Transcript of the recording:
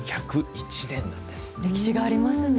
歴史がありますね。